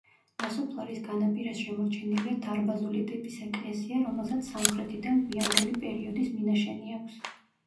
ნასოფლარის განაპირას შემორჩენილია დარბაზული ტიპის ეკლესია, რომელსაც სამხრეთიდან გვიანდელი პერიოდის მინაშენი აქვს.